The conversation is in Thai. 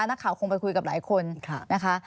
นักข่าวคงไปคุยกับหลายคนนะคะ